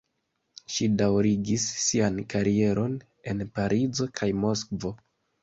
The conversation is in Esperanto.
Ŝi daŭrigis sian karieron en Parizo kaj Moskvo.